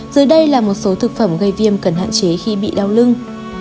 dưới đây là một số thực phẩm gây viêm cần hạn chế khi bị đau lưng